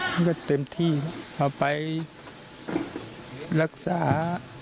มันก็เต็มที่เอาไปรักษา